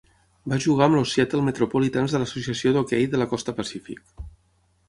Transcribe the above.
Va jugar amb els Seattle Metropolitans de l'Associació d'Hoquei de la Costa Pacífic.